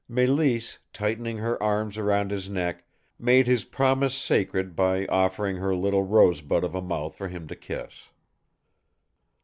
Mélisse, tightening her arms around his neck, made his promise sacred by offering her little rosebud of a mouth for him to kiss.